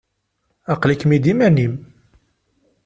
Aql-ikem-id iman-im.